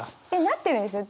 なってるんですよ。